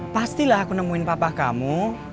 pastilah aku nemuin papa kamu